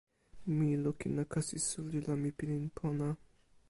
mi lukin e kasi suli la mi pilin pona.